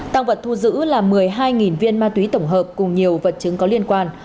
tăng vật thu giữ là một mươi hai viên ma túy tổng hợp cùng nhiều vật chứng có liên quan